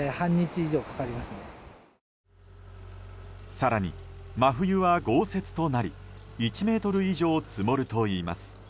更に真冬は豪雪となり１ｍ以上積もるといいます。